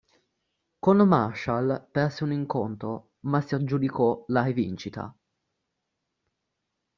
Con Marshall perse un incontro, ma si aggiudicò la rivincita.